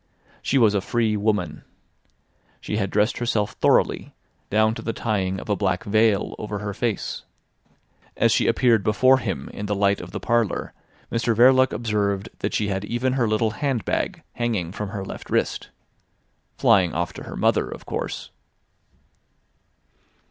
She was a free woman. She had dressed herself thoroughly, down to the tying of a black veil over her face. As she appeared before him in the light of the parlour, Mr Verloc observed that she had even her little handbag hanging from her left wrist. ... Flying off to her mother, of course.